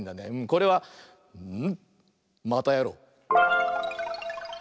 これは。またやろう！